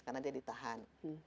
karena dia ditahan